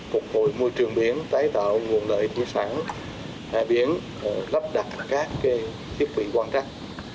phục hồi môi trường biển tái tạo nguồn lợi thủy sản biển lắp đặt các thiết bị quan trắc